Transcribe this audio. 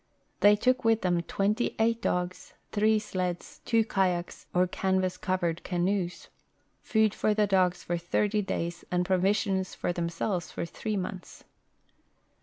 They took with them 28 dogs, 3 sleds, 2 kayaks or canvas covered canoes, food for the dogs for thirty da}"s, and provisions for themselves for three months.